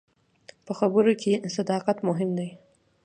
په خبرو کې صداقت مهم دی.